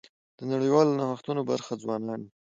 د نړیوالو نوښتونو برخه ځوانان دي.